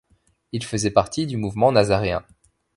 Il faisait partie du Mouvement nazaréen.